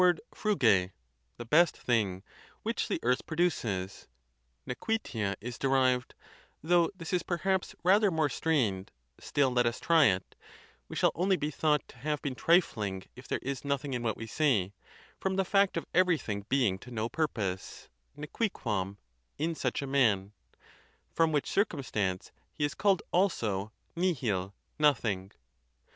99 word fruge, the best thing which the earth produces; ne quitia is derived (though this is perhaps rather more strained; still, let us try it; we shall only be thought to have been trifling if there is 'nothing i in what we say) from the fact of everything being to no purpose (neqguicguam) in such a man; from which circumstance he is called also Nihil, nothing.